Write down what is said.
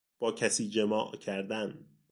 با کسی جماع کردن